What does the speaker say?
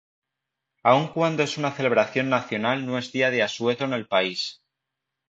Aun cuando es una celebración nacional no es día de asueto en el país.